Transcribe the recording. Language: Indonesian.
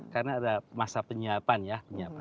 karena ada masa penyiapan ya